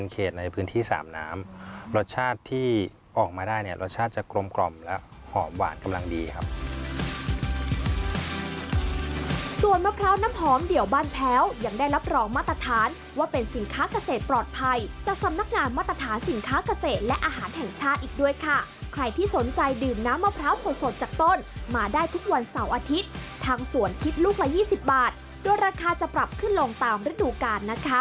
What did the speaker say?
ใครที่สนใจดื่มน้ำมะพร้าวโผล่สดจากต้นมาได้ทุกวันเสาร์อาทิตย์ทางสวนคิดลูกละ๒๐บาทโดยราคาจะปรับขึ้นลงตามระดูกการนะคะ